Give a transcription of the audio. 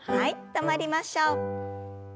止まりましょう。